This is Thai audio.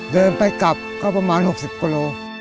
เดินไปกลับก็ประมาณ๖๐กิโล